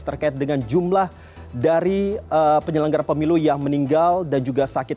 terkait dengan jumlah dari penyelenggara pemilu yang meninggal dan juga sakit